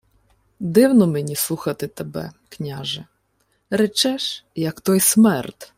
— Дивно мені слухати тебе, княже. Речеш, як той смерд.